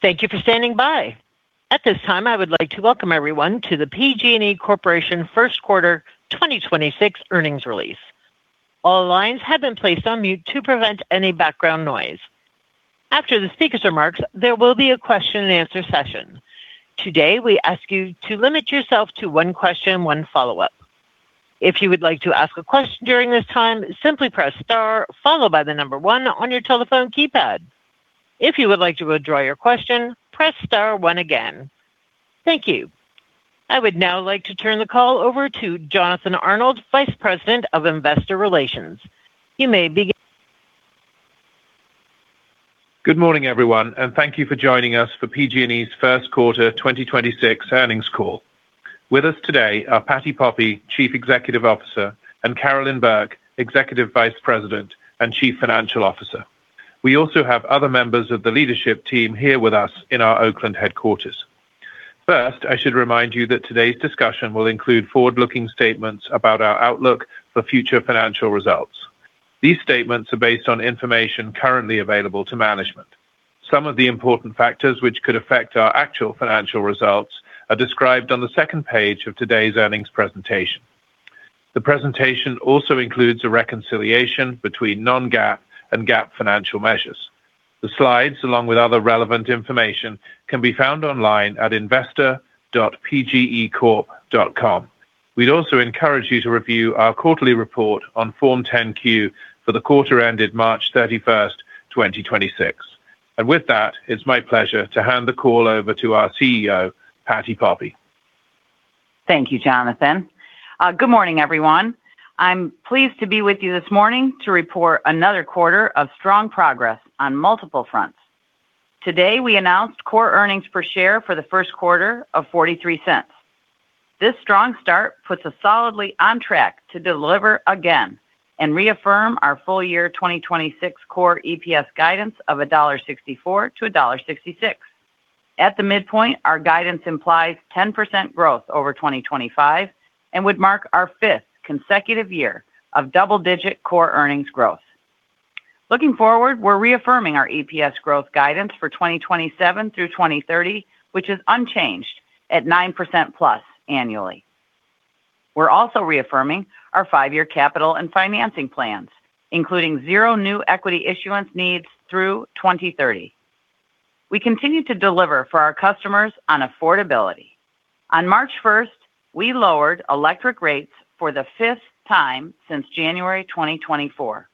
Thank you for standing by. At this time, I would like to welcome everyone to the PG&E Corporation first quarter 2026 earnings release. All lines have been placed on mute to prevent any background noise. After the speaker's remarks, there will be a question and answer session. Today, we ask you to limit yourself to one question, one follow-up. If you would like to ask a question during this time, simply press star followed by the number one on your telephone keypad. If you would like to withdraw your question, press star one again. Thank you. I would now like to turn the call over to Jonathan Arnold, Vice President of Investor Relations. You may begin. Good morning, everyone, and thank you for joining us for PG&E's first quarter 2026 earnings call. With us today are Patti Poppe, Chief Executive Officer, and Carolyn Burke, Executive Vice President and Chief Financial Officer. We also have other members of the leadership team here with us in our Oakland headquarters. First, I should remind you that today's discussion will include forward-looking statements about our outlook for future financial results. These statements are based on information currently available to management. Some of the important factors which could affect our actual financial results are described on the second page of today's earnings presentation. The presentation also includes a reconciliation between non-GAAP and GAAP financial measures. The slides, along with other relevant information, can be found online at investor.pgecorp.com. We'd also encourage you to review our quarterly report on Form 10-Q for the quarter ended March 31st, 2026. With that, it's my pleasure to hand the call over to our CEO, Patti Poppe. Thank you, Jonathan. Good morning, everyone. I'm pleased to be with you this morning to report another quarter of strong progress on multiple fronts. Today, we announced core earnings per share for the first quarter of $0.43. This strong start puts us solidly on track to deliver again and reaffirm our full year 2026 core EPS guidance of $1.64-$1.66. At the midpoint, our guidance implies 10% growth over 2025 and would mark our fifth consecutive year of double-digit core earnings growth. Looking forward, we're reaffirming our EPS growth guidance for 2027 through 2030, which is unchanged at 9%+ annually. We're also reaffirming our five-year capital and financing plans, including zero new equity issuance needs through 2030. We continue to deliver for our customers on affordability. On March 1st, we lowered electric rates for the fifth time since January 2024.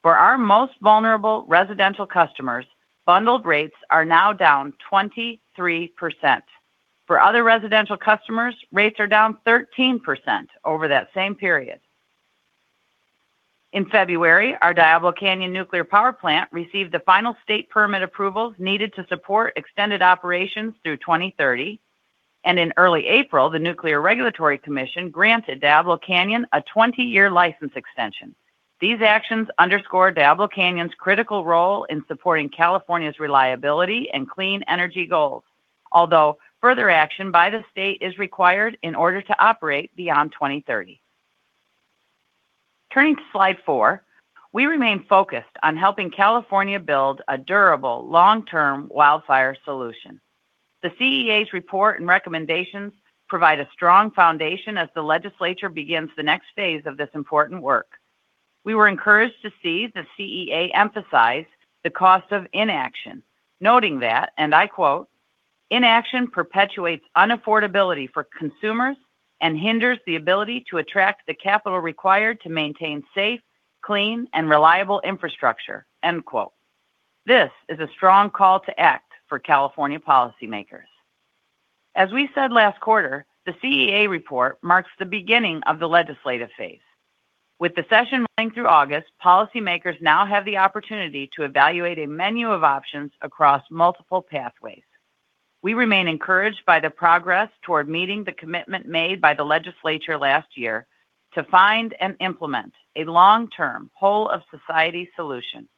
For our most vulnerable residential customers, bundled rates are now down 23%. For other residential customers, rates are down 13% over that same period. In February, our Diablo Canyon Nuclear Power Plant received the final state permit approvals needed to support extended operations through 2030, and in early April, the Nuclear Regulatory Commission granted Diablo Canyon a 20-year license extension. These actions underscore Diablo Canyon's critical role in supporting California's reliability and clean energy goals, although further action by the state is required in order to operate beyond 2030. Turning to slide 4. We remain focused on helping California build a durable, long-term wildfire solution. The CEA's report and recommendations provide a strong foundation as the legislature begins the next phase of this important work. We were encouraged to see the CEA emphasize the cost of inaction, noting that, and I quote, "Inaction perpetuates unaffordability for consumers and hinders the ability to attract the capital required to maintain safe, clean, and reliable infrastructure." End quote. This is a strong call to act for California policymakers. As we said last quarter, the CEA report marks the beginning of the legislative phase. With the session running through August, policymakers now have the opportunity to evaluate a menu of options across multiple pathways. We remain encouraged by the progress toward meeting the commitment made by the legislature last year to find and implement a long-term whole of society solution.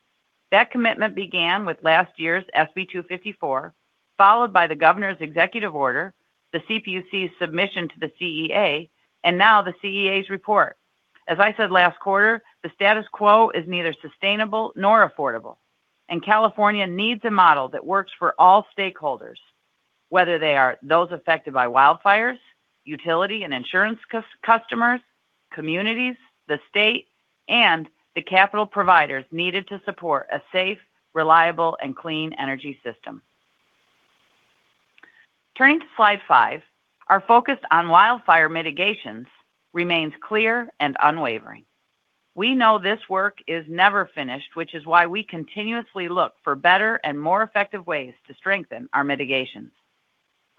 That commitment began with last year's SB 254, followed by the Governor's executive order, the CPUC's submission to the CEA, and now the CEA's report. As I said last quarter, the status quo is neither sustainable nor affordable, and California needs a model that works for all stakeholders, whether they are those affected by wildfires, utility and insurance customers, communities, the state, and the capital providers needed to support a safe, reliable, and clean energy system. Turning to slide five. Our focus on wildfire mitigations remains clear and unwavering. We know this work is never finished, which is why we continuously look for better and more effective ways to strengthen our mitigations.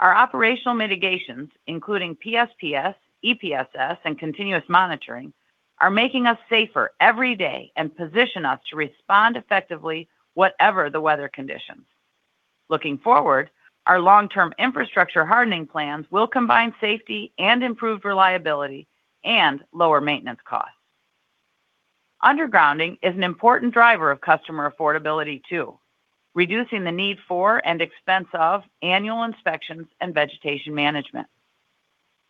Our operational mitigations, including PSPS, EPSS, and continuous monitoring, are making us safer every day and position us to respond effectively whatever the weather conditions. Looking forward, our long-term infrastructure hardening plans will combine safety and improved reliability and lower maintenance costs. Undergrounding is an important driver of customer affordability too, reducing the need for and expense of annual inspections and vegetation management.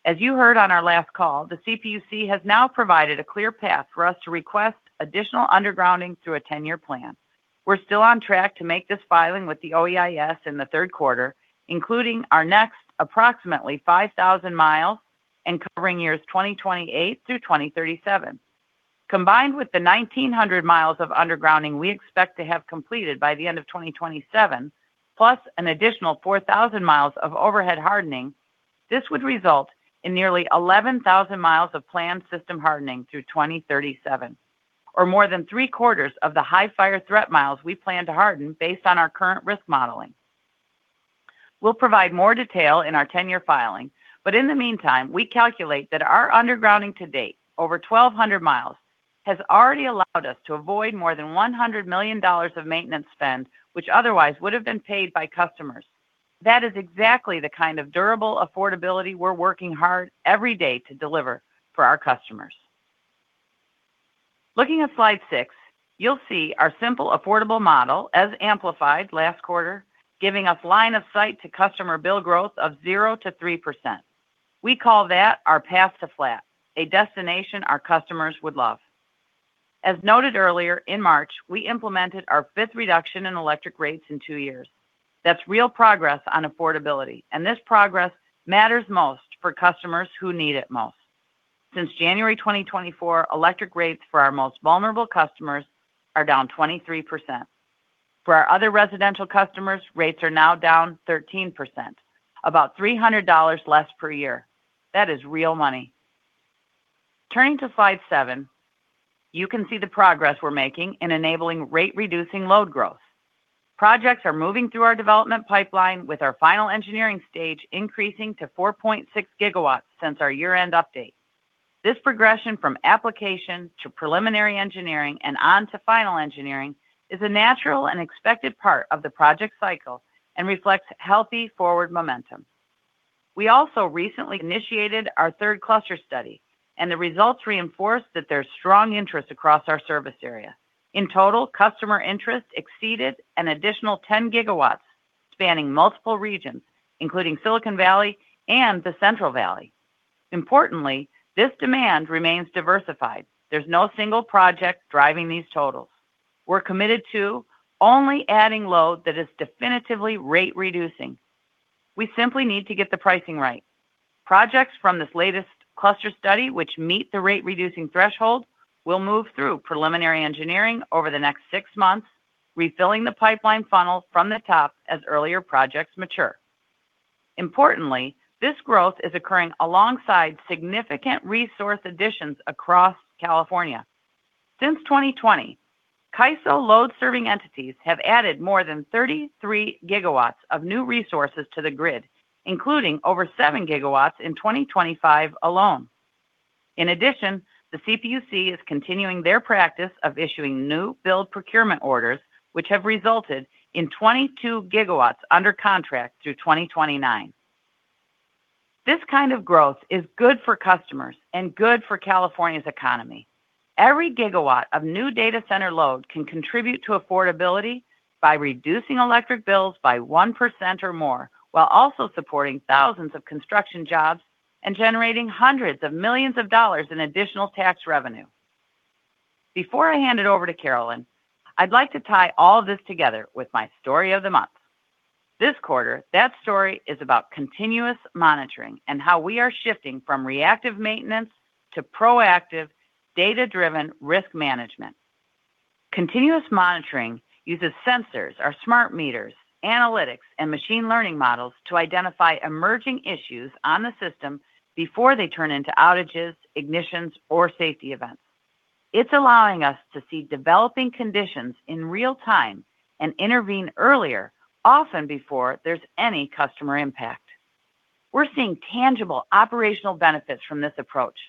As you heard on our last call, the CPUC has now provided a clear path for us to request additional undergrounding through a 10-year plan. We're still on track to make this filing with the OEIS in the third quarter, including our next approximately 5,000 miles and covering years 2028 through 2037. Combined with the 1,900 miles of undergrounding we expect to have completed by the end of 2027, plus an additional 4,000 miles of overhead hardening, this would result in nearly 11,000 miles of planned system hardening through 2037, or more than three-quarters of the high fire threat miles we plan to harden based on our current risk modeling. We'll provide more detail in our 10-year filing, but in the meantime, we calculate that our undergrounding to date, over 1,200 miles, has already allowed us to avoid more than $100 million of maintenance spend, which otherwise would have been paid by customers. That is exactly the kind of durable affordability we're working hard every day to deliver for our customers. Looking at slide 6, you'll see our simple, affordable model as amplified last quarter, giving us line of sight to customer bill growth of 0%-3%. We call that our path to flat, a destination our customers would love. As noted earlier, in March, we implemented our fifth reduction in electric rates in two years. That's real progress on affordability, and this progress matters most for customers who need it most. Since January 2024, electric rates for our most vulnerable customers are down 23%. For our other residential customers, rates are now down 13%, about $300 less per year. That is real money. Turning to slide 7, you can see the progress we're making in enabling rate-reducing load growth. Projects are moving through our development pipeline with our final engineering stage increasing to 4.6 gigawatts since our year-end update. This progression from application to preliminary engineering and on to final engineering is a natural and expected part of the project cycle and reflects healthy forward momentum. We also recently initiated our third cluster study, and the results reinforce that there's strong interest across our service area. In total, customer interest exceeded an additional 10 gigawatts spanning multiple regions, including Silicon Valley and the Central Valley. Importantly, this demand remains diversified. There's no single project driving these totals. We're committed to only adding load that is definitively rate-reducing. We simply need to get the pricing right. Projects from this latest cluster study, which meet the rate-reducing threshold, will move through preliminary engineering over the next six months, refilling the pipeline funnel from the top as earlier projects mature. Importantly, this growth is occurring alongside significant resource additions across California. Since 2020, CAISO load serving entities have added more than 33 gigawatts of new resources to the grid, including over 7 gigawatts in 2025 alone. In addition, the CPUC is continuing their practice of issuing new build procurement orders, which have resulted in 22 gigawatts under contract through 2029. This kind of growth is good for customers and good for California's economy. Every gigawatt of new data center load can contribute to affordability by reducing electric bills by 1% or more, while also supporting thousands of construction jobs and generating $hundreds of millions in additional tax revenue. Before I hand it over to Carolyn, I'd like to tie all this together with my story of the month. This quarter, that story is about continuous monitoring and how we are shifting from reactive maintenance to proactive, data-driven risk management. Continuous monitoring uses sensors, our smart meters, analytics, and machine learning models to identify emerging issues on the system before they turn into outages, ignitions, or safety events. It's allowing us to see developing conditions in real-time and intervene earlier, often before there's any customer impact. We're seeing tangible operational benefits from this approach.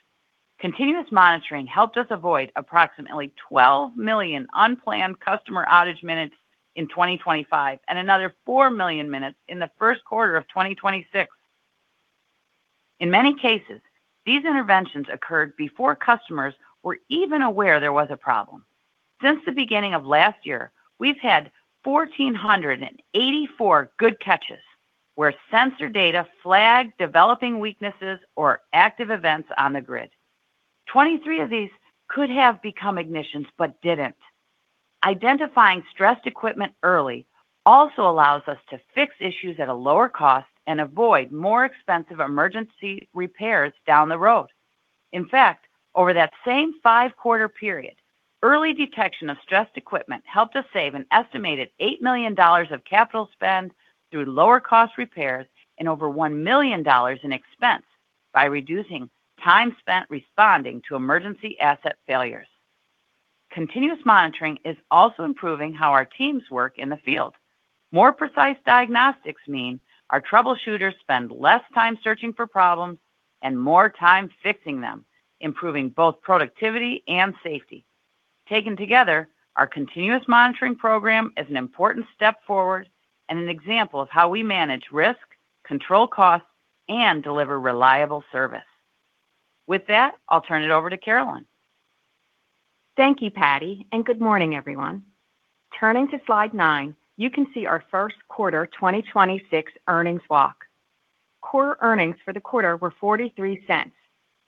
Continuous monitoring helped us avoid approximately 12 million unplanned customer outage minutes in 2025 and another 4 million minutes in the first quarter of 2026. In many cases, these interventions occurred before customers were even aware there was a problem. Since the beginning of last year, we've had 1,484 good catches where sensor data flagged developing weaknesses or active events on the grid. 23 of these could have become ignitions but didn't. Identifying stressed equipment early also allows us to fix issues at a lower cost and avoid more expensive emergency repairs down the road. In fact, over that same 5-quarter period, early detection of stressed equipment helped us save an estimated $8 million of capital spend through lower cost repairs and over $1 million in expense by reducing time spent responding to emergency asset failures. Continuous monitoring is also improving how our teams work in the field. More precise diagnostics mean our troubleshooters spend less time searching for problems and more time fixing them, improving both productivity and safety. Taken together, our continuous monitoring program is an important step forward and an example of how we manage risk, control costs, and deliver reliable service. With that, I'll turn it over to Carolyn. Thank you, Patti, and good morning, everyone. Turning to slide 9, you can see our first quarter 2026 earnings walk. Core earnings for the quarter were $0.43,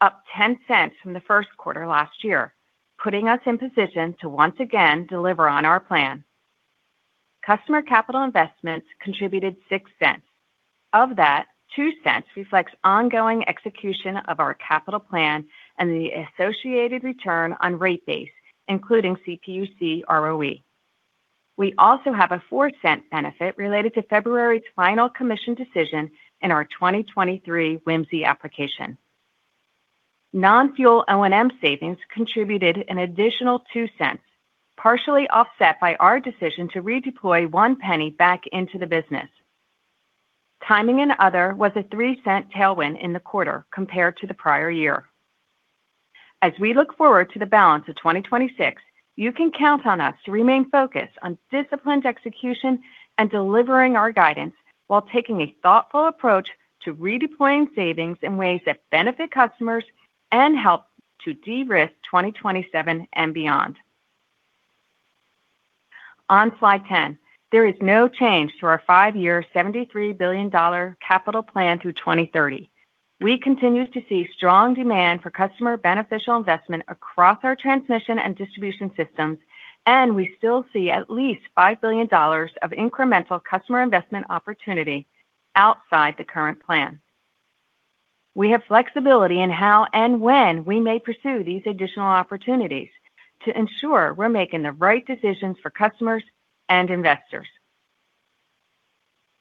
up $0.10 from the first quarter last year, putting us in position to once again deliver on our plan. Customer capital investments contributed $0.06. Of that, $0.02 reflects ongoing execution of our capital plan and the associated return on rate base, including CPUC ROE. We also have a $0.04 benefit related to February's final commission decision in our 2023 WIMSE application. Non-fuel O&M savings contributed an additional $0.02, partially offset by our decision to redeploy $0.01 back into the business. Timing and other was a $0.03 tailwind in the quarter compared to the prior year. As we look forward to the balance of 2026, you can count on us to remain focused on disciplined execution and delivering our guidance while taking a thoughtful approach to redeploying savings in ways that benefit customers and help to de-risk 2027 and beyond. On slide 10, there is no change to our five-year $73 billion capital plan through 2030. We continue to see strong demand for customer beneficial investment across our transmission and distribution systems, and we still see at least $5 billion of incremental customer investment opportunity outside the current plan. We have flexibility in how and when we may pursue these additional opportunities to ensure we're making the right decisions for customers and investors.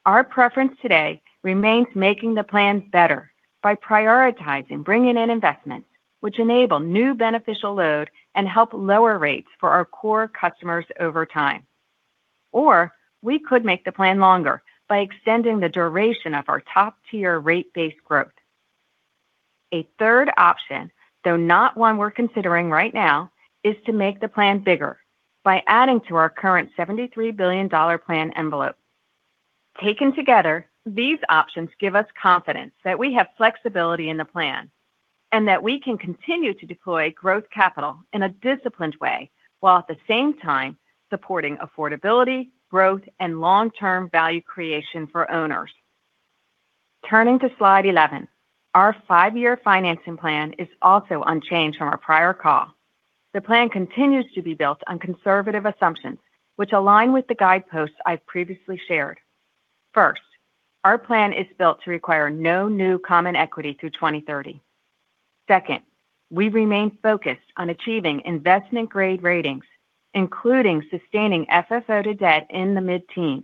Our preference today remains making the plan better by prioritizing bringing in investment, which enable new beneficial load and help lower rates for our core customers over time. We could make the plan longer by extending the duration of our top-tier rate base growth. A third option, though not one we're considering right now, is to make the plan bigger by adding to our current $73 billion plan envelope. Taken together, these options give us confidence that we have flexibility in the plan and that we can continue to deploy growth capital in a disciplined way, while at the same time supporting affordability, growth, and long-term value creation for owners. Turning to slide 11, our five-year financing plan is also unchanged from our prior call. The plan continues to be built on conservative assumptions, which align with the guideposts I've previously shared. First, our plan is built to require no new common equity through 2030. Second, we remain focused on achieving investment-grade ratings, including sustaining FFO to debt in the mid-teens.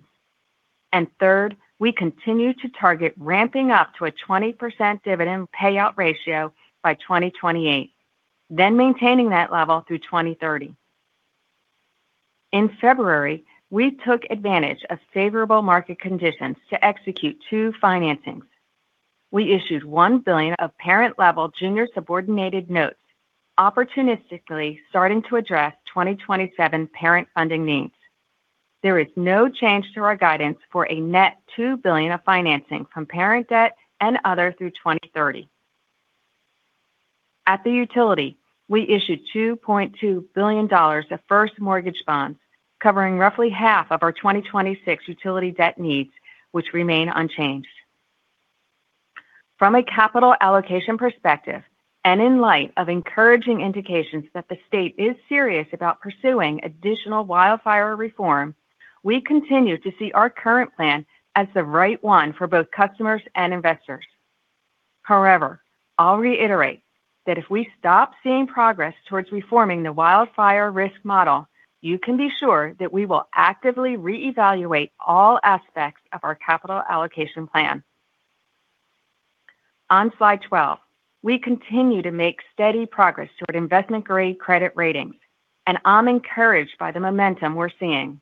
Third, we continue to target ramping up to a 20% dividend payout ratio by 2028, then maintaining that level through 2030. In February, we took advantage of favorable market conditions to execute two financings. We issued $1 billion of parent-level junior subordinated notes, opportunistically starting to address 2027 parent funding needs. There is no change to our guidance for a net $2 billion of financing from parent debt and other through 2030. At the utility, we issued $2.2 billion of first mortgage bonds covering roughly half of our 2026 utility debt needs, which remain unchanged. From a capital allocation perspective, and in light of encouraging indications that the state is serious about pursuing additional wildfire reform, we continue to see our current plan as the right one for both customers and investors. However, I'll reiterate that if we stop seeing progress towards reforming the wildfire risk model, you can be sure that we will actively reevaluate all aspects of our capital allocation plan. On slide 12, we continue to make steady progress toward investment-grade credit ratings, and I'm encouraged by the momentum we're seeing.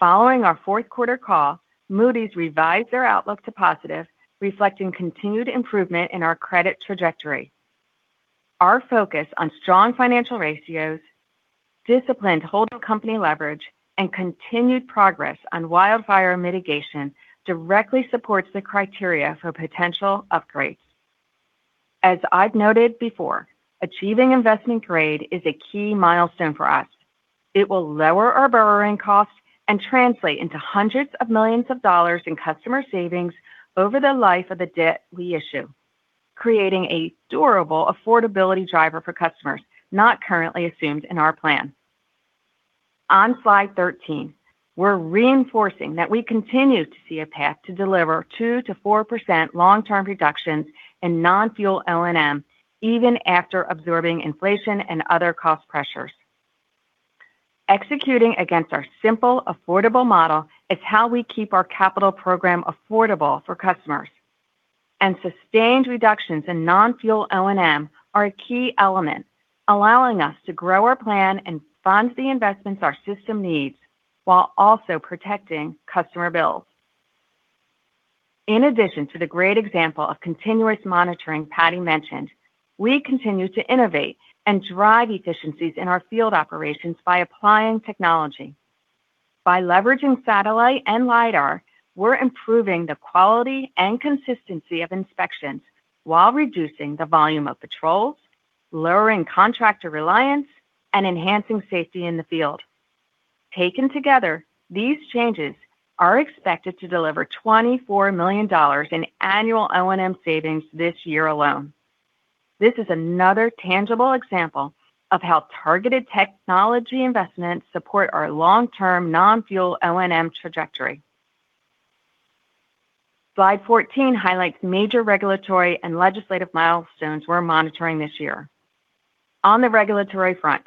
Following our fourth quarter call, Moody's revised their outlook to positive, reflecting continued improvement in our credit trajectory. Our focus on strong financial ratios, disciplined holding company leverage, and continued progress on wildfire mitigation directly supports the criteria for potential upgrades. As I've noted before, achieving investment grade is a key milestone for us. It will lower our borrowing costs and translate into $hundreds of millions in customer savings over the life of the debt we issue, creating a durable affordability driver for customers not currently assumed in our plan. On slide 13, we're reinforcing that we continue to see a path to deliver 2%-4% long-term reductions in non-fuel O&M even after absorbing inflation and other cost pressures. Executing against our simple, affordable model is how we keep our capital program affordable for customers. Sustained reductions in non-fuel O&M are a key element, allowing us to grow our plan and fund the investments our system needs while also protecting customer bills. In addition to the great example of continuous monitoring Patti mentioned, we continue to innovate and drive efficiencies in our field operations by applying technology. By leveraging satellite and Lidar, we're improving the quality and consistency of inspections while reducing the volume of patrols, lowering contractor reliance, and enhancing safety in the field. Taken together, these changes are expected to deliver $24 million in annual O&M savings this year alone. This is another tangible example of how targeted technology investments support our long-term non-fuel O&M trajectory. Slide 14 highlights major regulatory and legislative milestones we're monitoring this year. On the regulatory front,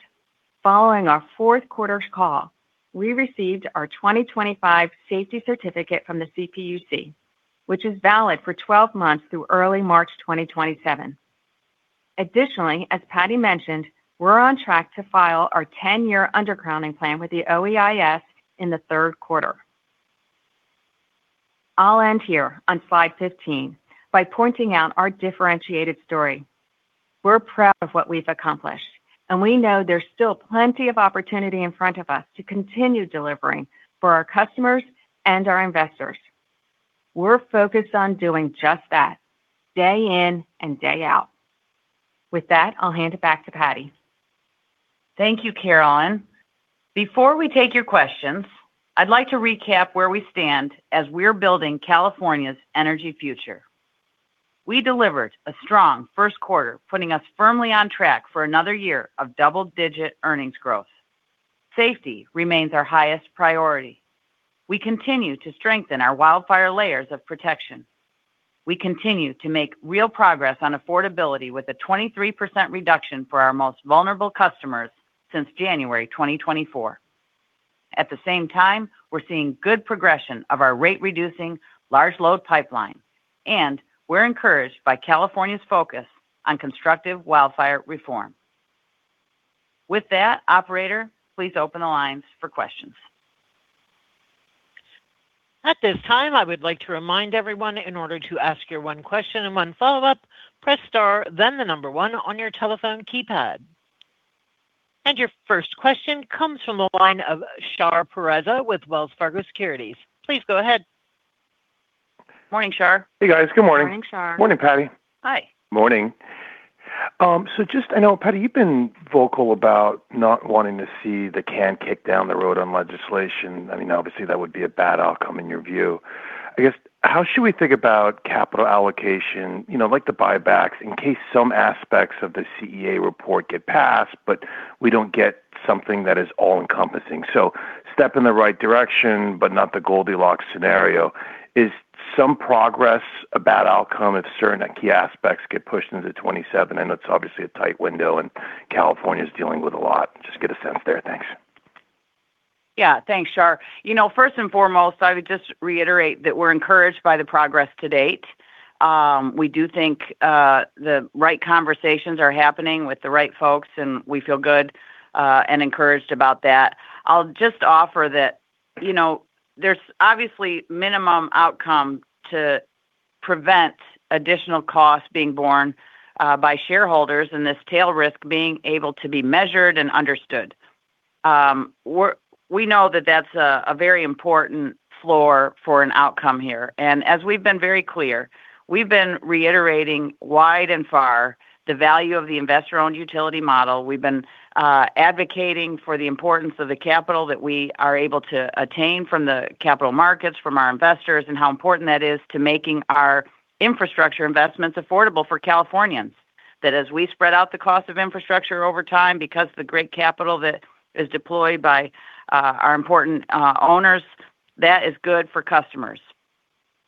following our fourth quarter call, we received our 2025 safety certificate from the CPUC, which is valid for 12 months through early March 2027. Additionally, as Patti mentioned, we're on track to file our 10-year underground plan with the OEIS in the third quarter. I'll end here on slide 15 by pointing out our differentiated story. We're proud of what we've accomplished, and we know there's still plenty of opportunity in front of us to continue delivering for our customers and our investors. We're focused on doing just that day in and day out. With that, I'll hand it back to Patti. Thank you, Carolyn. Before we take your questions, I'd like to recap where we stand as we're building California's energy future. We delivered a strong first quarter, putting us firmly on track for another year of double-digit earnings growth. Safety remains our highest priority. We continue to strengthen our wildfire layers of protection. We continue to make real progress on affordability with a 23% reduction for our most vulnerable customers since January 2024. At the same time, we're seeing good progression of our rate-reducing large load pipeline, and we're encouraged by California's focus on constructive wildfire reform. With that, operator, please open the lines for questions. At this time, I would like to remind everyone in order to ask your one question and one follow-up, press star then the number one on your telephone keypad. Your first question comes from the line of Shar Pourreza with Wells Fargo Securities. Please go ahead. Morning, Shar. Hey, guys. Good morning. Morning, Shar. Morning, Patti. Hi. Morning. Just you know, Patti, you've been vocal about not wanting to see the can kicked down the road on legislation. I mean, obviously, that would be a bad outcome in your view. I guess, how should we think about capital allocation, like the buybacks, in case some aspects of the CEA report get passed, but we don't get something that is all-encompassing. Step in the right direction, but not the Goldilocks scenario. Is some progress a bad outcome if certain key aspects get pushed into 2027? I know it's obviously a tight window and California's dealing with a lot. Just get a sense there. Thanks. Yeah. Thanks, Shar. First and foremost, I would just reiterate that we're encouraged by the progress to date. We do think the right conversations are happening with the right folks, and we feel good and encouraged about that. I'll just offer that there's obviously minimum outcome to prevent additional costs being borne by shareholders and this tail risk being able to be measured and understood. We know that that's a very important floor for an outcome here. As we've been very clear, we've been reiterating far and wide the value of the investor-owned utility model. We've been advocating for the importance of the capital that we are able to attain from the capital markets, from our investors, and how important that is to making our infrastructure investments affordable for Californians. That as we spread out the cost of infrastructure over time because of the great capital that is deployed by our important owners, that is good for customers.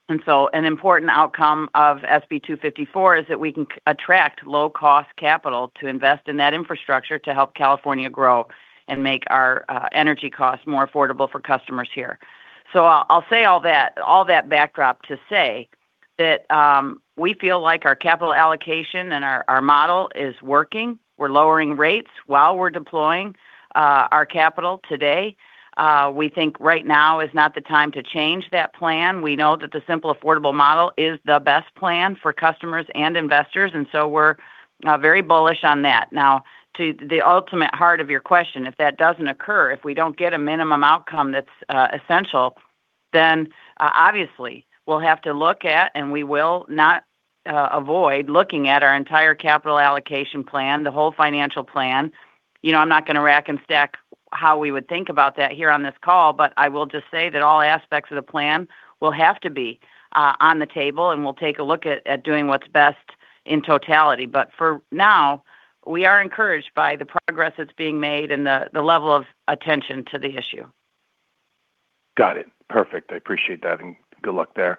An important outcome of SB 254 is that we can attract low-cost capital to invest in that infrastructure to help California grow and make our energy costs more affordable for customers here. I'll say all that backdrop to say that we feel like our capital allocation and our model is working. We're lowering rates while we're deploying our capital today. We think right now is not the time to change that plan. We know that the simple, affordable model is the best plan for customers and investors, and so we're very bullish on that. Now, to the ultimate heart of your question, if that doesn't occur, if we don't get a minimum outcome that's essential, then obviously we'll have to look at, and we will not avoid looking at our entire capital allocation plan, the whole financial plan. I'm not going to rack and stack how we would think about that here on this call, but I will just say that all aspects of the plan will have to be on the table, and we'll take a look at doing what's best in totality. For now, we are encouraged by the progress that's being made and the level of attention to the issue. Got it. Perfect. I appreciate that, and good luck there.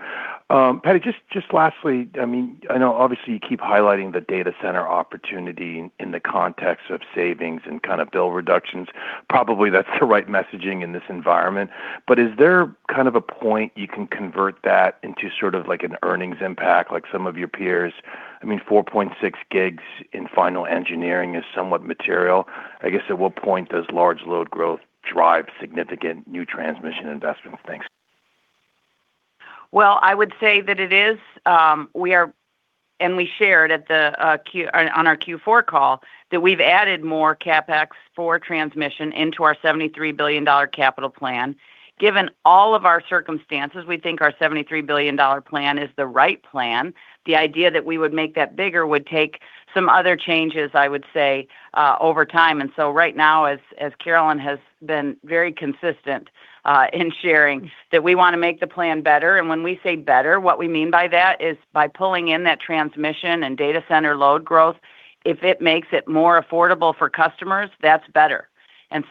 Patti, just lastly, I mean, I know obviously you keep highlighting the data center opportunity in the context of savings and bill reductions. Probably that's the right messaging in this environment. Is there a point you can convert that into an earnings impact like some of your peers? I mean, 4.6 gigs in final engineering is somewhat material. I guess at what point does large load growth drive significant new transmission investments? Thanks. Well, I would say that it is, and we shared on our Q4 call that we've added more CapEx for transmission into our $73 billion capital plan. Given all of our circumstances, we think our $73 billion plan is the right plan. The idea that we would make that bigger would take some other changes, I would say, over time. Right now, as Carolyn has been very consistent in sharing, that we want to make the plan better. When we say better, what we mean by that is by pulling in that transmission and data center load growth, if it makes it more affordable for customers, that's better.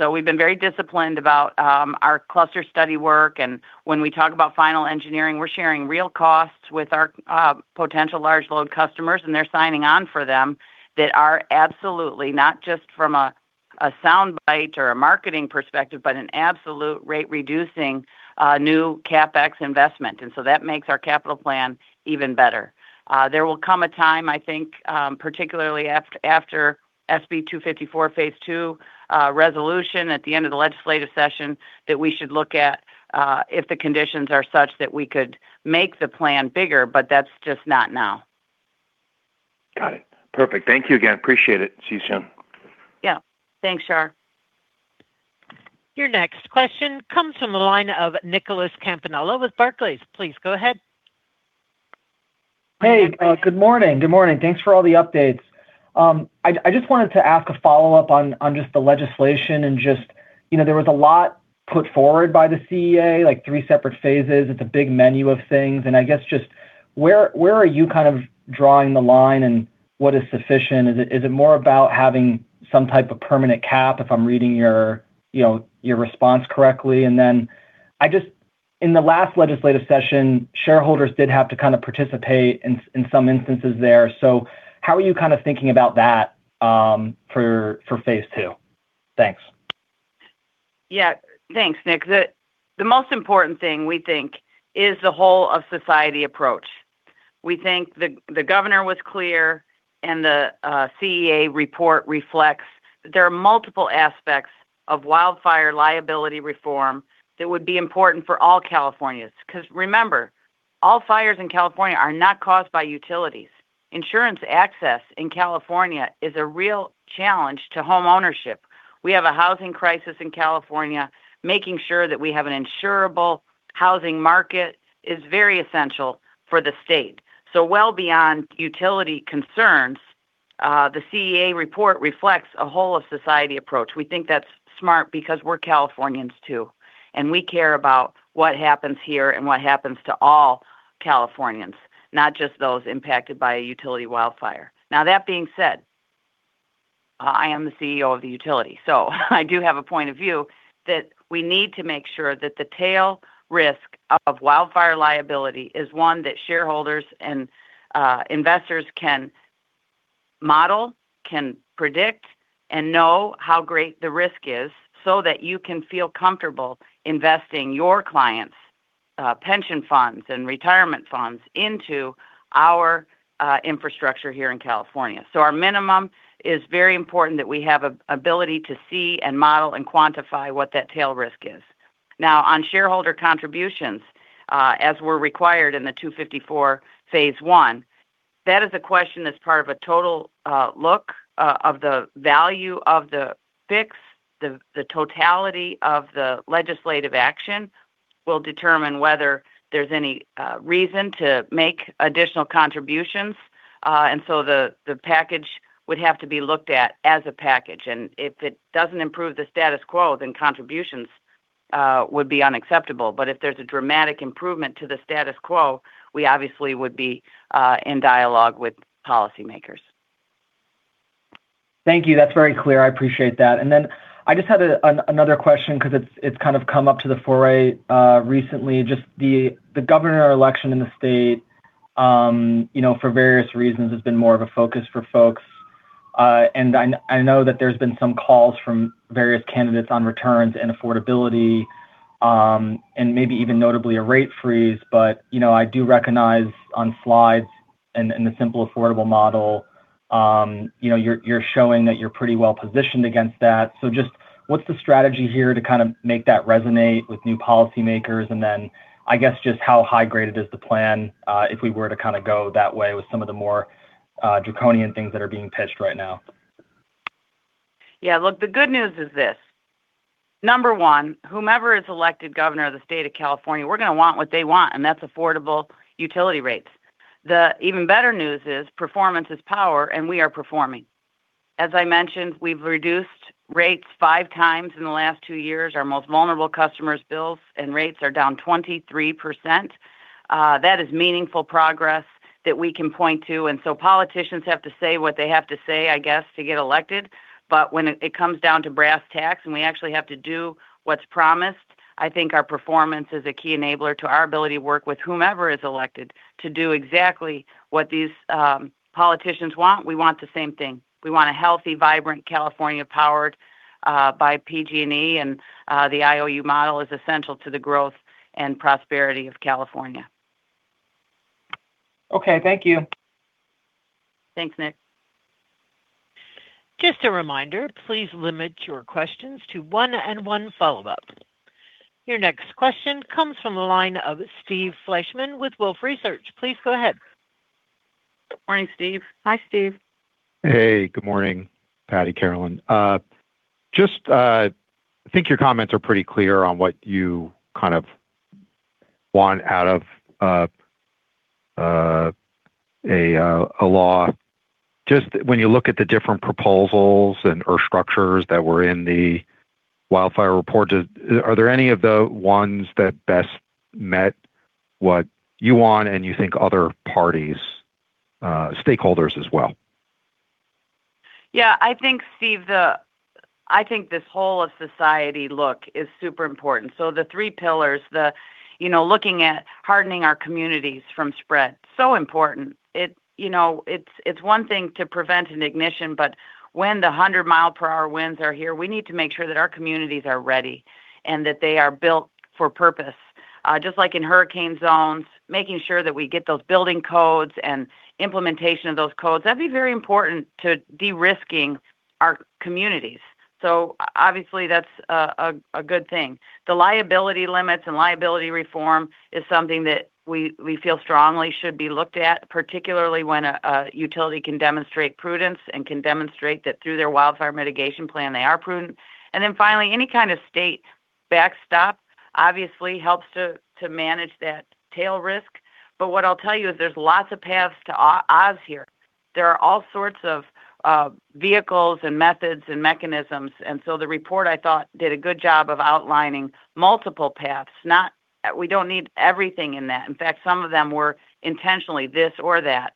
We've been very disciplined about our cluster study work, and when we talk about final engineering, we're sharing real costs with our potential large load customers, and they're signing on for them that are absolutely not just from a soundbite or a marketing perspective, but an absolute rate-reducing new CapEx investment. That makes our capital plan even better. There will come a time, I think, particularly after SB 254 phase two resolution at the end of the legislative session, that we should look at if the conditions are such that we could make the plan bigger, but that's just not now. Got it. Perfect. Thank you again. Appreciate it. See you soon. Yeah. Thanks, Shar. Your next question comes from the line of Nicholas Campanella with Barclays. Please go ahead. Hey, good morning. Good morning. Thanks for all the updates. I just wanted to ask a follow-up on just the legislation and just there was a lot put forward by the CEA, like three separate phases. It's a big menu of things. I guess just where are you kind of drawing the line, and what is sufficient? Is it more about having some type of permanent cap, if I'm reading your response correctly? In the last legislative session, shareholders did have to participate in some instances there. How are you thinking about that for phase two? Thanks. Yeah. Thanks, Nick. The most important thing we think is the whole of society approach. We think the governor was clear and the CEA report reflects there are multiple aspects of wildfire liability reform that would be important for all Californians. Because remember, all fires in California are not caused by utilities. Insurance access in California is a real challenge to homeownership. We have a housing crisis in California, making sure that we have an insurable housing market is very essential for the state. Well beyond utility concerns, the CEA report reflects a whole of society approach. We think that's smart because we're Californians, too, and we care about what happens here and what happens to all Californians, not just those impacted by a utility wildfire. Now, that being said, I am the CEO of the utility, so I do have a point of view that we need to make sure that the tail risk of wildfire liability is one that shareholders and investors can model, can predict, and know how great the risk is so that you can feel comfortable investing your clients' pension funds and retirement funds into our infrastructure here in California. Our minimum is very important that we have ability to see and model and quantify what that tail risk is. Now, on shareholder contributions, as we're required in the SB 254 phase one, that is a question that's part of a total look of the value of the fix. The totality of the legislative action will determine whether there's any reason to make additional contributions. The package would have to be looked at as a package. If it doesn't improve the status quo, then contributions would be unacceptable. If there's a dramatic improvement to the status quo, we obviously would be in dialogue with policymakers. Thank you. That's very clear. I appreciate that. I just had another question because it's kind of come up to the fore recently, just the governor election in the state, for various reasons, has been more of a focus for folks. I know that there's been some calls from various candidates on returns and affordability, and maybe even notably a rate freeze, but I do recognize on slides in the simple affordable model, you're showing that you're pretty well-positioned against that. Just what's the strategy here to kind of make that resonate with new policymakers? I guess, just how high-graded is the plan if we were to go that way with some of the more draconian things that are being pitched right now? Yeah, look, the good news is this. Number one, whomever is elected governor of the state of California, we're going to want what they want, and that's affordable utility rates. The even better news is performance is power, and we are performing. As I mentioned, we've reduced rates five times in the last two years. Our most vulnerable customers' bills and rates are down 23%. That is meaningful progress that we can point to. Politicians have to say what they have to say, I guess, to get elected. When it comes down to brass tacks and we actually have to do what's promised, I think our performance is a key enabler to our ability to work with whomever is elected to do exactly what these politicians want. We want the same thing. We want a healthy, vibrant California powered by PG&E, and the IOU model is essential to the growth and prosperity of California. Okay. Thank you. Thanks, Nick. Just a reminder, please limit your questions to one and one follow-up. Your next question comes from the line of Steve Fleishman with Wolfe Research. Please go ahead. Good morning, Steve. Hi, Steve. Hey, good morning, Patti, Carolyn. I just think your comments are pretty clear on what you kind of want out of a law. Just when you look at the different proposals or structures that were in the wildfire report, are there any of the ones that best met what you want and you think other parties, stakeholders as well? Yeah, I think, Steve, I think this whole of society look is super important. The three pillars, looking at hardening our communities from spread, so important. It's one thing to prevent an ignition, but when the 100-mile-per-hour winds are here, we need to make sure that our communities are ready and that they are built for purpose. Just like in hurricane zones, making sure that we get those building codes and implementation of those codes, that'd be very important to de-risking our communities. Obviously that's a good thing. The liability limits and liability reform is something that we feel strongly should be looked at, particularly when a utility can demonstrate prudence and can demonstrate that through their wildfire mitigation plan, they are prudent. Then finally, any kind of state backstop obviously helps to manage that tail risk. What I'll tell you is there's lots of paths to Oz here. There are all sorts of vehicles and methods and mechanisms. The report I thought did a good job of outlining multiple paths. We don't need everything in that. In fact, some of them were intentionally this or that.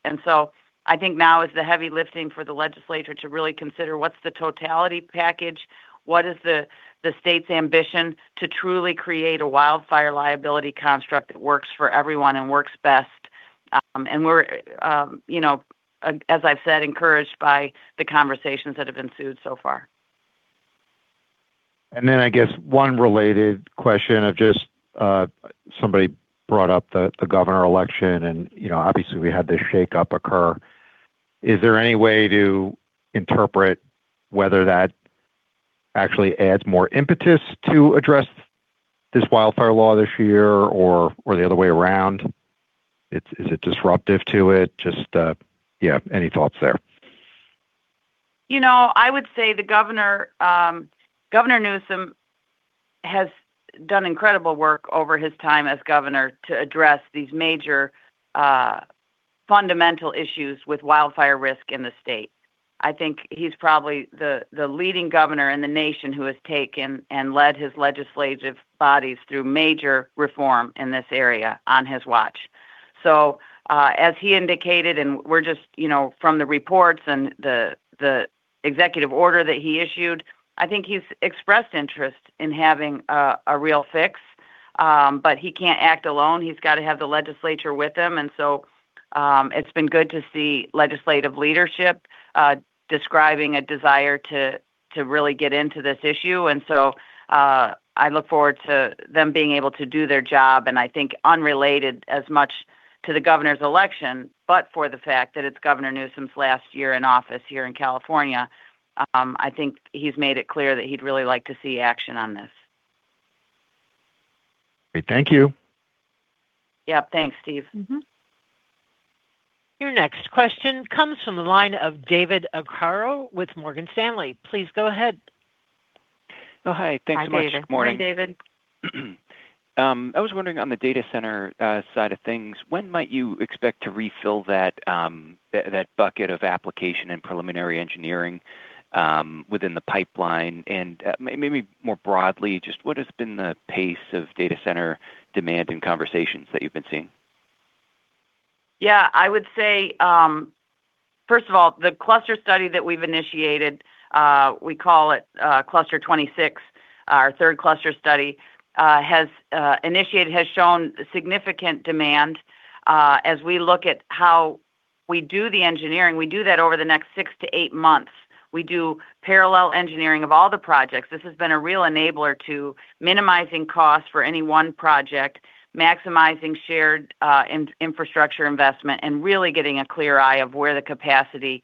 I think now is the heavy lifting for the legislature to really consider what's the totality package, what is the state's ambition to truly create a wildfire liability construct that works for everyone and works best. We're, as I've said, encouraged by the conversations that have ensued so far. I guess one related question of just somebody brought up the governor election and obviously we had this shakeup occur. Is there any way to interpret whether that actually adds more impetus to address this wildfire law this year or the other way around? Is it disruptive to it? Just, yeah, any thoughts there? I would say the governor, Governor Newsom, has done incredible work over his time as governor to address these major fundamental issues with wildfire risk in the state. I think he's probably the leading governor in the nation who has taken and led his legislative bodies through major reform in this area on his watch. As he indicated, and we're just from the reports and the executive order that he issued, I think he's expressed interest in having a real fix, but he can't act alone. He's got to have the legislature with him. It's been good to see legislative leadership describing a desire to really get into this issue. I look forward to them being able to do their job. I think unrelated as much to the Governor's election, but for the fact that it's Governor Newsom's last year in office here in California, I think he's made it clear that he'd really like to see action on this. Great. Thank you. Yep. Thanks, Steve. Mm-hmm. Your next question comes from the line of David Arcaro with Morgan Stanley. Please go ahead. Oh, hi. Thanks so much. Hi, David. Hi, David. I was wondering on the data center side of things, when might you expect to refill that bucket of application and preliminary engineering within the pipeline? Maybe more broadly, just what has been the pace of data center demand and conversations that you've been seeing? I would say, first of all, the cluster study that we've initiated, we call it Cluster 26, our third cluster study, initiated has shown significant demand. As we look at how we do the engineering, we do that over the next 6-8 months. We do parallel engineering of all the projects. This has been a real enabler to minimizing costs for any one project, maximizing shared infrastructure investment, and really getting a clear eye of where the capacity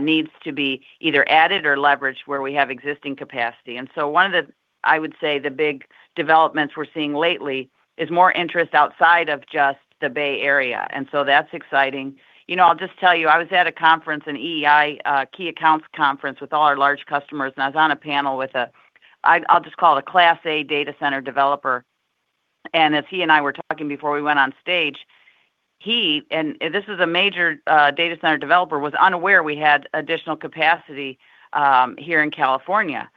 needs to be either added or leveraged where we have existing capacity. One of the, I would say, the big developments we're seeing lately is more interest outside of just the Bay Area. That's exciting. I'll just tell you, I was at a conference, an EEI key accounts conference with all our large customers, and I was on a panel with a, I'll just call it a Class A data center developer. As he and I were talking before we went on stage, he, and this is a major data center developer, was unaware we had additional capacity here in California.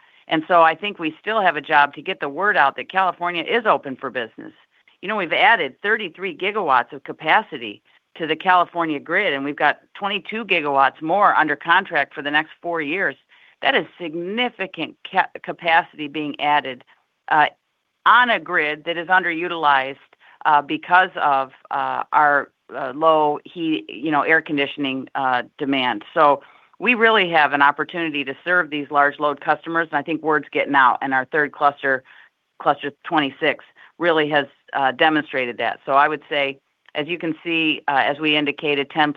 I think we still have a job to get the word out that California is open for business. We've added 33 GW of capacity to the California grid, and we've got 22 GW more under contract for the next 4 years. That is significant capacity being added on a grid that is underutilized because of our low air conditioning demand. We really have an opportunity to serve these large load customers, and I think word's getting out, and our third Cluster 26 really has demonstrated that. I would say as you can see, as we indicated, 10+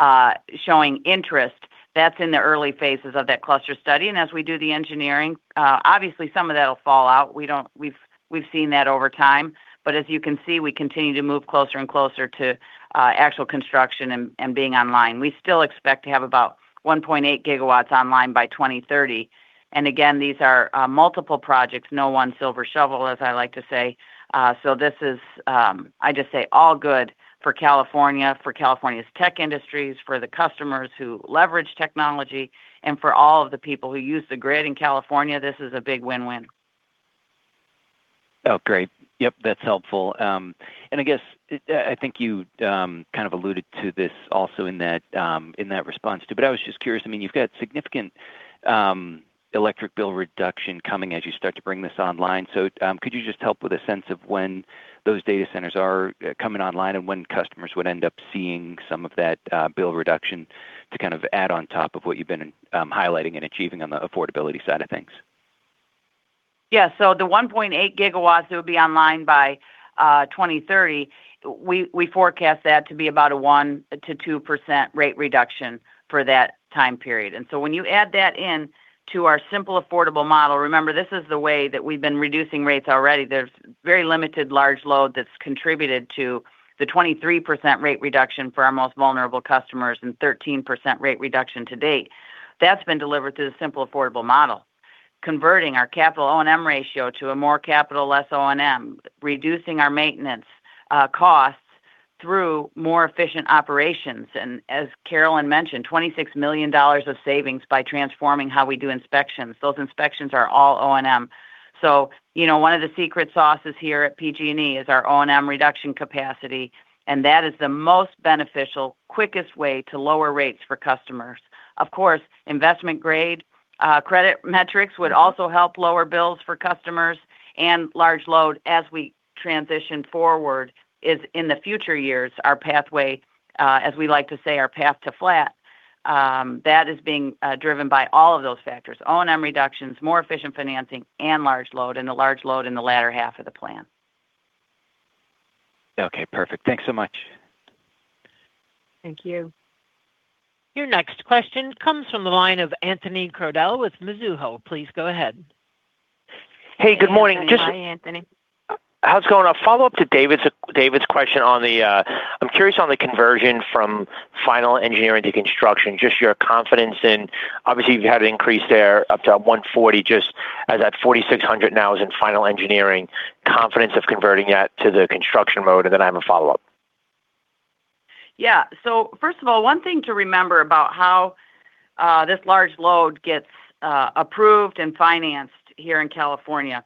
gigawatts showing interest, that's in the early phases of that cluster study. As we do the engineering, obviously some of that'll fall out. We've seen that over time, but as you can see, we continue to move closer and closer to actual construction and being online. We still expect to have about 1.8 gigawatts online by 2030. Again, these are multiple projects. No one silver shovel, as I like to say. This is, I just say all good for California, for California's tech industries, for the customers who leverage technology, and for all of the people who use the grid in California, this is a big win-win. Oh, great. Yep, that's helpful. I guess, I think you kind of alluded to this also in that response, too, but I was just curious, you've got significant electric bill reduction coming as you start to bring this online. Could you just help with a sense of when those data centers are coming online and when customers would end up seeing some of that bill reduction to kind of add on top of what you've been highlighting and achieving on the affordability side of things? So the 1.8 GW that will be online by 2030, we forecast that to be about a 1%-2% rate reduction for that time period. When you add that into our simple, affordable model, remember, this is the way that we've been reducing rates already. There's very limited large load that's contributed to the 23% rate reduction for our most vulnerable customers and 13% rate reduction to date. That's been delivered through the simple, affordable model. Converting our capital O&M ratio to a more capital, less O&M, reducing our maintenance costs through more efficient operations, and as Carolyn mentioned, $26 million of savings by transforming how we do inspections. Those inspections are all O&M. One of the secret sauces here at PG&E is our O&M reduction capacity, and that is the most beneficial, quickest way to lower rates for customers. Of course, investment-grade credit metrics would also help lower bills for customers, and large load as we transition forward is in the future years, our pathway, as we like to say, our path to flat, that is being driven by all of those factors, O&M reductions, more efficient financing, and large load, and the large load in the latter half of the plan. Okay, perfect. Thanks so much. Thank you. Your next question comes from the line of Anthony Crowdell with Mizuho. Please go ahead. Hey, good morning. Hi, Anthony. How's it going? A follow-up to David's question on the, I'm curious on the conversion from final engineering to construction, just your confidence in, obviously, you've had an increase there up to 140, just as that 4,600 now is in final engineering, confidence of converting that to the construction mode, and then I have a follow-up. Yeah. First of all, one thing to remember about how this large load gets approved and financed here in California,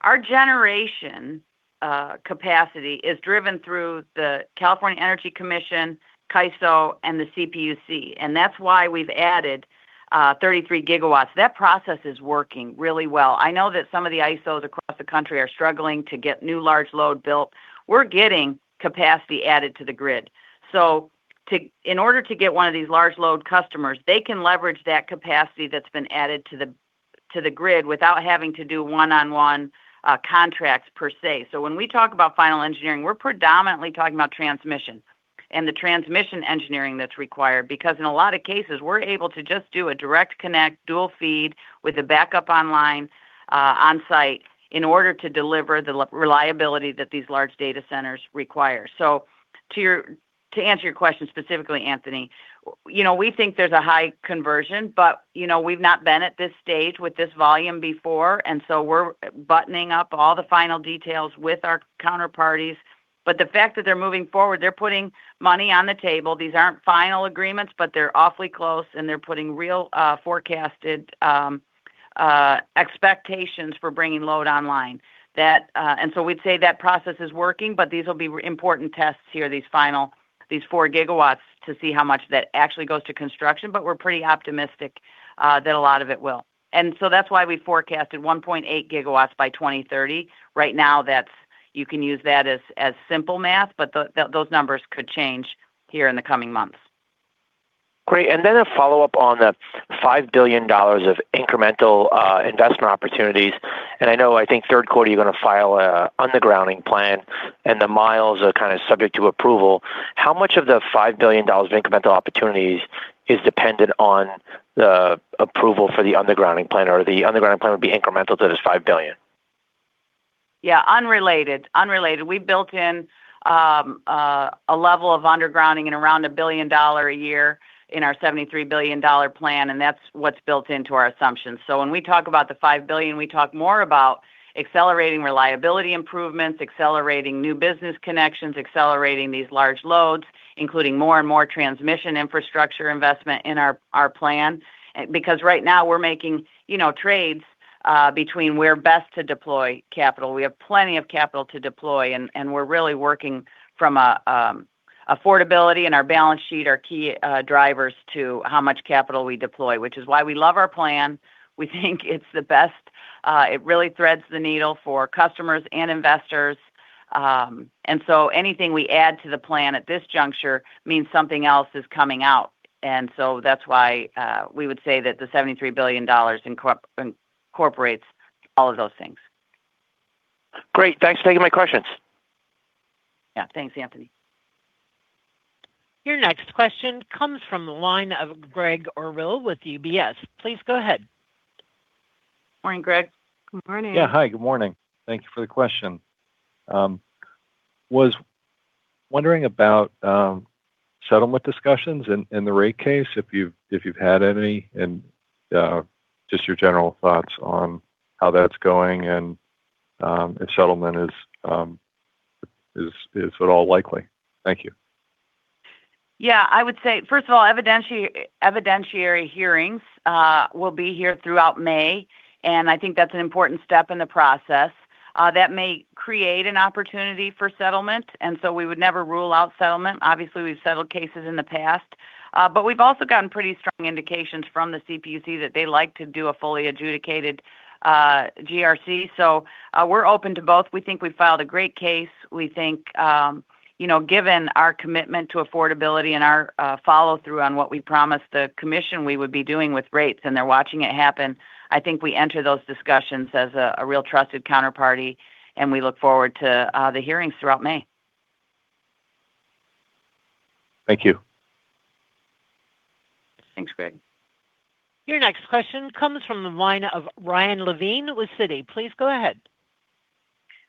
our generation capacity is driven through the California Energy Commission, CAISO, and the CPUC, and that's why we've added 33 gigawatts. That process is working really well. I know that some of the ISOs across the country are struggling to get new large load built. We're getting capacity added to the grid. In order to get one of these large load customers, they can leverage that capacity that's been added to the grid without having to do one-on-one contracts per se. When we talk about final engineering, we're predominantly talking about transmission and the transmission engineering that's required, because in a lot of cases, we're able to just do a direct connect dual feed with a backup online, on-site in order to deliver the reliability that these large data centers require. To answer your question specifically, Anthony, we think there's a high conversion, but we've not been at this stage with this volume before, and so we're buttoning up all the final details with our counterparties. The fact that they're moving forward, they're putting money on the table. These aren't final agreements, but they're awfully close, and they're putting real forecasted expectations for bringing load online. We'd say that process is working, but these will be important tests here, these 4 gigawatts, to see how much that actually goes to construction. We're pretty optimistic that a lot of it will. That's why we forecasted 1.8 gigawatts by 2030. Right now, you can use that as simple math, but those numbers could change here in the coming months. Great. A follow-up on the $5 billion of incremental investment opportunities. I know, I think third quarter, you're going to file an undergrounding plan, and the miles are kind of subject to approval. How much of the $5 billion of incremental opportunities is dependent on the approval for the undergrounding plan, or the undergrounding plan would be incremental to this $5 billion? Yeah. Unrelated. We built in a level of undergrounding and around $1 billion a year in our $73 billion plan, and that's what's built into our assumptions. When we talk about the $5 billion, we talk more about accelerating reliability improvements, accelerating new business connections, accelerating these large loads, including more and more transmission infrastructure investment in our plan. Because right now we're making trades between where best to deploy capital. We have plenty of capital to deploy, and we're really working from affordability and our balance sheet, our key drivers to how much capital we deploy, which is why we love our plan. We think it's the best. It really threads the needle for customers and investors. Anything we add to the plan at this juncture means something else is coming out. That's why we would say that the $73 billion incorporates all of those things. Great. Thanks for taking my questions. Yeah. Thanks, Anthony. Your next question comes from the line of Gregg Orrill with UBS. Please go ahead. Morning, Gregg. Good morning. Yeah. Hi, good morning. Thank you for the question. I was wondering about settlement discussions in the rate case, if you've had any, and just your general thoughts on how that's going, and if settlement is at all likely. Thank you. Yeah. I would say, first of all, evidentiary hearings will be here throughout May, and I think that's an important step in the process. That may create an opportunity for settlement, and so we would never rule out settlement. Obviously, we've settled cases in the past. We've also gotten pretty strong indications from the CPUC that they like to do a fully adjudicated GRC. We're open to both. We think we've filed a great case. We think, given our commitment to affordability and our follow-through on what we promised the commission we would be doing with rates, and they're watching it happen, I think we enter those discussions as a real trusted counterparty, and we look forward to the hearings throughout May. Thank you. Thanks, Gregg. Your next question comes from the line of Ryan Levine with Citi. Please go ahead.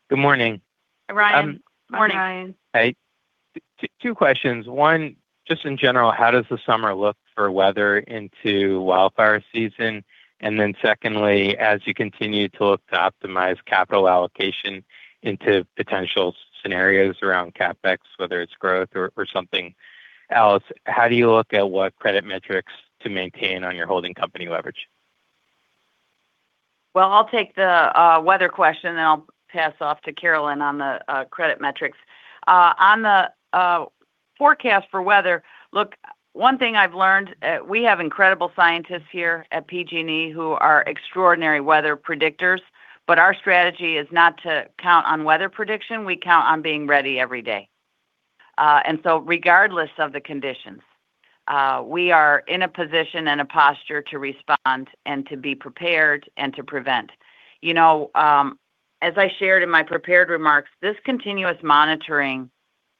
Good morning. Hi, Ryan. Morning, Ryan. Hey. Two questions. One, just in general, how does the summer look for weather into wildfire season? Secondly, as you continue to look to optimize capital allocation into potential scenarios around CapEx, whether it's growth or something else, how do you look at what credit metrics to maintain on your holding company leverage? Well, I'll take the weather question, and then I'll pass off to Carolyn on the credit metrics. On the forecast for weather, look, one thing I've learned, we have incredible scientists here at PG&E who are extraordinary weather predictors, but our strategy is not to count on weather prediction. We count on being ready every day. Regardless of the conditions, we are in a position and a posture to respond and to be prepared and to prevent. As I shared in my prepared remarks, this continuous monitoring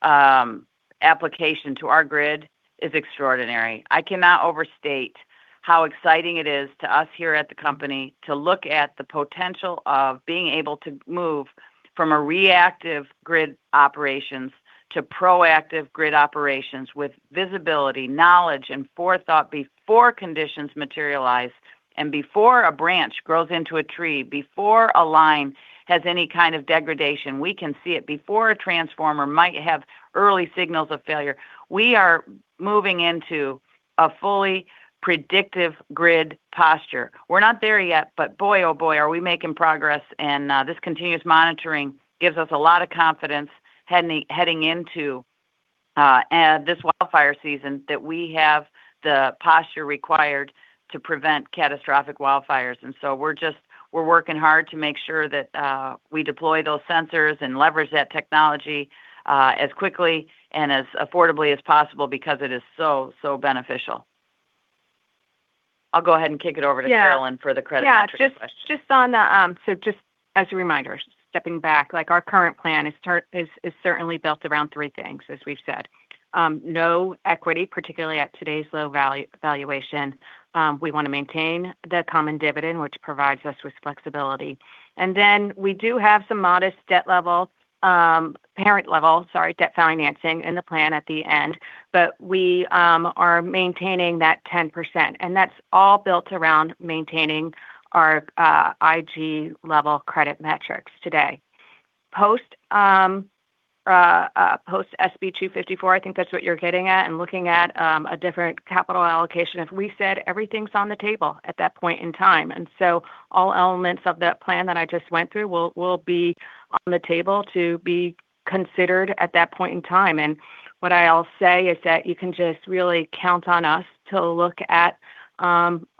application to our grid is extraordinary. I cannot overstate how exciting it is to us here at the company to look at the potential of being able to move from a reactive grid operations to proactive grid operations with visibility, knowledge, and forethought before conditions materialize and before a branch grows into a tree, before a line has any kind of degradation. We can see it before a transformer might have early signals of failure. We are moving into a fully predictive grid posture. We're not there yet, but boy, oh boy, are we making progress, and this continuous monitoring gives us a lot of confidence heading into this wildfire season that we have the posture required to prevent catastrophic wildfires. We're working hard to make sure that we deploy those sensors and leverage that technology as quickly and as affordably as possible because it is so beneficial. I'll go ahead and kick it over to Carolyn for the credit question. Yeah. Just as a reminder, stepping back, our current plan is certainly built around three things, as we've said. No equity, particularly at today's low valuation. We want to maintain the common dividend, which provides us with flexibility. We do have some modest parent level debt financing in the plan at the end, but we are maintaining that 10%. That's all built around maintaining our IG level credit metrics today. Post SB 254, I think that's what you're getting at, and looking at a different capital allocation, as we said, everything's on the table at that point in time. All elements of that plan that I just went through will be on the table to be considered at that point in time. What I'll say is that you can just really count on us to look at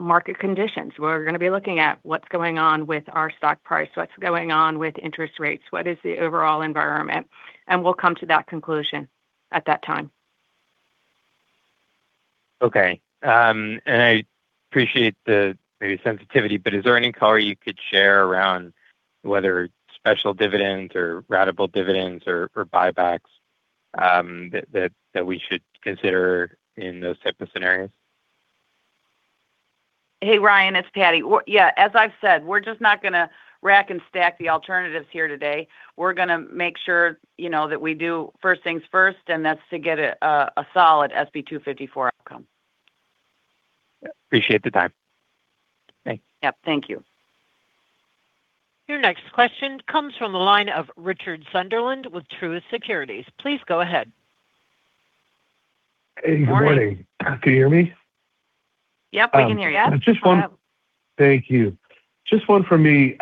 market conditions. We're going to be looking at what's going on with our stock price, what's going on with interest rates, what is the overall environment, and we'll come to that conclusion at that time. Okay. I appreciate the sensitivity, but is there any color you could share around whether special dividends or ratable dividends or buybacks that we should consider in those type of scenarios? Hey, Ryan, it's Patti. Yeah, as I've said, we're just not going to rack and stack the alternatives here today. We're going to make sure that we do first things first, and that's to get a solid SB 254 outcome. appreciate the time. Thanks. Yep. Thank you. Your next question comes from the line of Richard Sunderland with Truist Securities. Please go ahead. Hey, good morning. Can you hear me? Yep, we can hear you. Yep. Thank you. Just one from me.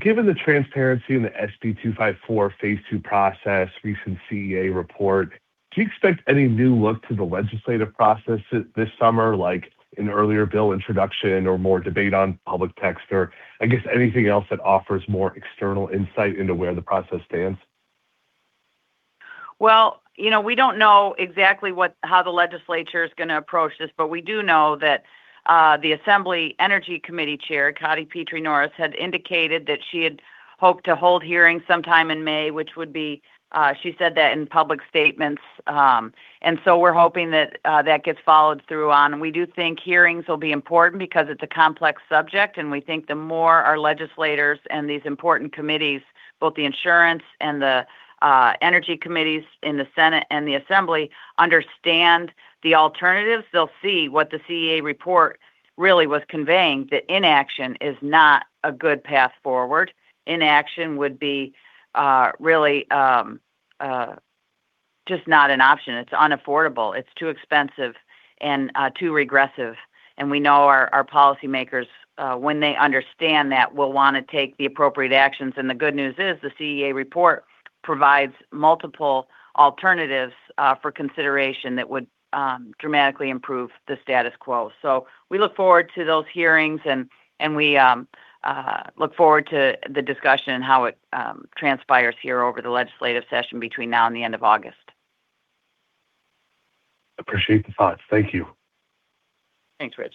Given the transparency in the SB 254 Phase 2 process, recent CEA report. Do you expect any new look to the legislative process this summer, like an earlier bill introduction or more debate on public debt, or I guess anything else that offers more external insight into where the process stands? Well, we don't know exactly how the legislature is going to approach this, but we do know that the Assembly Energy Committee chair, Cottie Petrie-Norris, had indicated that she had hoped to hold hearings sometime in May. She said that in public statements. We're hoping that gets followed through on. We do think hearings will be important because it's a complex subject, and we think the more our legislators and these important committees, both the insurance and the energy committees in the Senate and the Assembly, understand the alternatives, they'll see what the CEA report really was conveying, that inaction is not a good path forward. Inaction would be really just not an option. It's unaffordable. It's too expensive and too regressive. We know our policy makers, when they understand that, will want to take the appropriate actions. The good news is the CEA report provides multiple alternatives for consideration that would dramatically improve the status quo. We look forward to those hearings, and we look forward to the discussion and how it transpires here over the legislative session between now and the end of August. Appreciate the thoughts. Thank you. Thanks, Rich.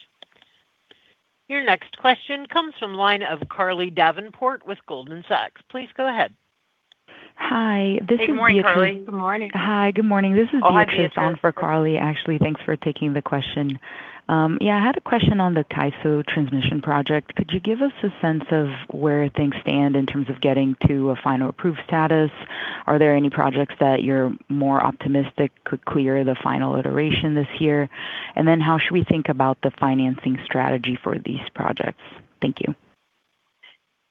Your next question comes from the line of Carly Davenport with Goldman Sachs. Please go ahead. Hi. Good morning, Carly. Good morning. Hi, good morning. This is Beatrice. Oh, hi, Beatrice. for Carly, actually. Thanks for taking the question. Yeah, I had a question on the CAISO transmission project. Could you give us a sense of where things stand in terms of getting to a final approved status? Are there any projects that you're more optimistic could clear the final iteration this year? And then how should we think about the financing strategy for these projects? Thank you.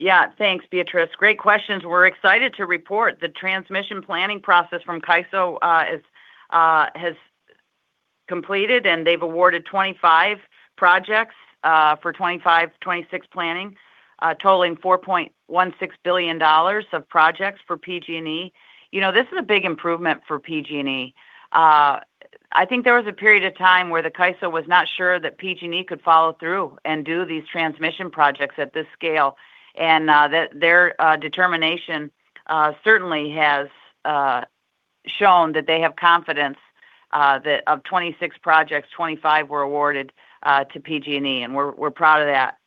Yeah. Thanks, Beatrice. Great questions. We're excited to report the transmission planning process from CAISO has completed, and they've awarded 25 projects for 2025, 2026 planning, totaling $4.16 billion of projects for PG&E. This is a big improvement for PG&E. I think there was a period of time where the CAISO was not sure that PG&E could follow through and do these transmission projects at this scale, and their determination certainly has shown that they have confidence that of 26 projects, 25 were awarded to PG&E, and we're proud of that.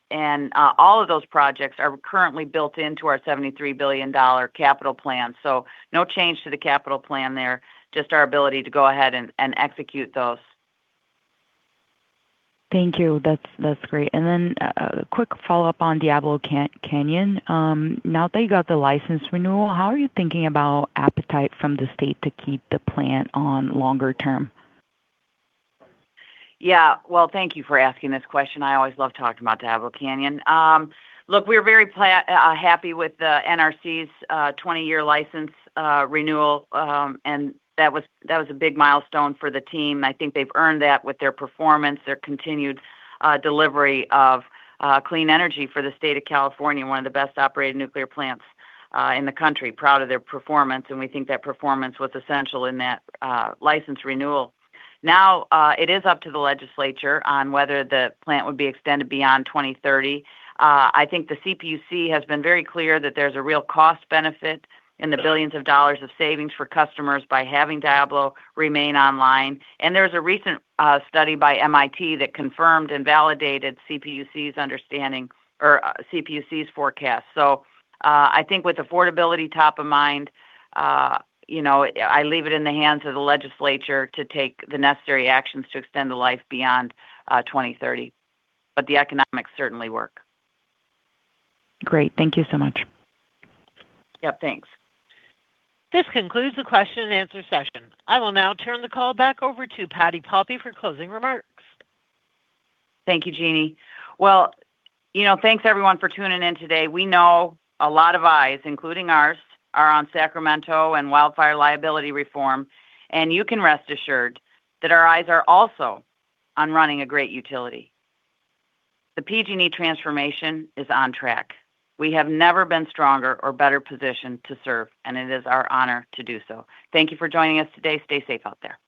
All of those projects are currently built into our $73 billion capital plan. No change to the capital plan there, just our ability to go ahead and execute those. Thank you. That's great. A quick follow-up on Diablo Canyon. Now that you got the license renewal, how are you thinking about appetite from the state to keep the plant on longer term? Yeah. Well, thank you for asking this question. I always love talking about Diablo Canyon. Look, we're very happy with the NRC's 20-year license renewal, and that was a big milestone for the team. I think they've earned that with their performance, their continued delivery of clean energy for the state of California, one of the best-operated nuclear plants in the country. Proud of their performance, and we think their performance was essential in that license renewal. Now, it is up to the legislature on whether the plant would be extended beyond 2030. I think the CPUC has been very clear that there's a real cost benefit in the billions of dollars of savings for customers by having Diablo remain online. There's a recent study by MIT that confirmed and validated CPUC's forecast. I think with affordability top of mind, I leave it in the hands of the legislature to take the necessary actions to extend the life beyond 2030. The economics certainly work. Great. Thank you so much. Yep, thanks. This concludes the question and answer session. I will now turn the call back over to Patti Poppe for closing remarks. Thank you, Jeannie. Well, thanks everyone for tuning in today. We know a lot of eyes, including ours, are on Sacramento and wildfire liability reform, and you can rest assured that our eyes are also on running a great utility. The PG&E transformation is on track. We have never been stronger or better positioned to serve, and it is our honor to do so. Thank you for joining us today. Stay safe out there.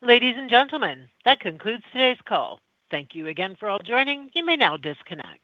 Ladies and gentlemen, that concludes today's call. Thank you again for all joining. You may now disconnect.